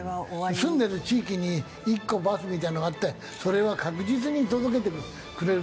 住んでる地域に１個バスみたいなのがあってそれは確実に届けてくれる。